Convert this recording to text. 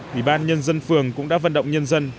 ủy ban nhân dân phường cũng đã vận động nhân dân